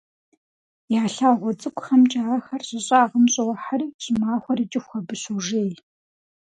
Я лъагъуэ цӏыкӏухэмкӏэ ахэр щӏы щӏагъым щӏохьэри, щӏымахуэр икӏыху абы щожей.